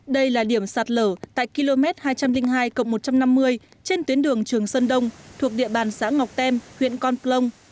đây là điểm sạt lở tại km hai trăm linh hai một trăm năm mươi trên tuyến đường trường sơn đông thuộc địa bàn xã ngọc tem huyện con plông